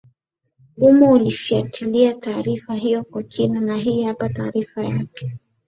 uwa akifwatilia taarifa hiyo kwa kina na hii hapa taarifa yake